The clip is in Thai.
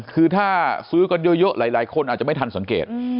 คือถ้าซื้อกันเยอะหลายคนอาจจะไม่ทันสังเกต